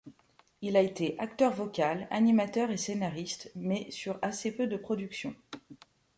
Il a été acteur vocal, animateur et scénariste mais sur assez peu de productions.